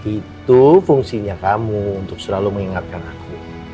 itu fungsinya kamu untuk selalu mengingatkan aku